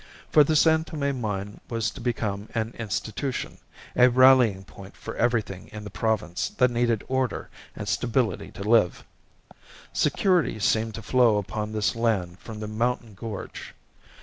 For the San Tome mine was to become an institution, a rallying point for everything in the province that needed order and stability to live. Security seemed to flow upon this land from the mountain gorge.